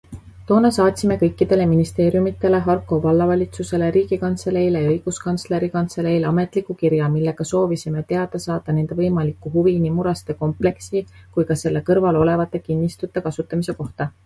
Toona saatsime kõikidele ministeeriumitele, Harku vallavalitsusele, riigikantseleile ja õiguskantsleri kantseleile ametliku kirja, millega soovisime teada saada nende võimalikku huvi nii Muraste kompleksi kui ka selle kõrval olevate kinnistute kasutamise kohta.